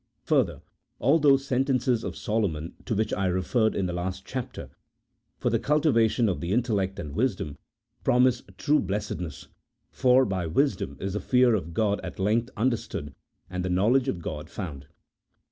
Further, all those sentences of Solomon to which I referred in the last chapter, for the cultivation of the intellect and wisdom, promise true 72 A THEOLOGICO POLITICAL TREATISE. [CHAP. V. blessedness, for by wisdom is the fear of God at length understood, and the knowledge of God found.